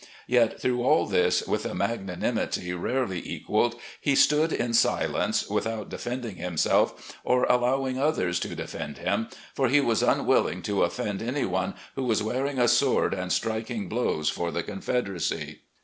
Yet, through all this, with a magnanimity rarely equalled, he stood in silence, without defending himself or allowing others to defend him, for he was unwilling to offend any one who was wearing a sword and striking blows for the Confederacy."